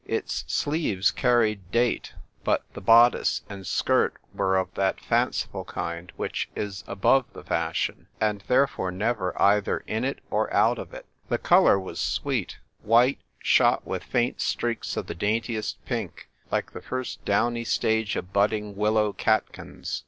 Its sleeves carried date ; but the bodice and skirt were of that fanciful kind which is above the fashion, and therefore never either in it or out of it. The colour was sweet — white, shot with faint streaks of the daintiest pink, like the first downy stage of budding willow catkins.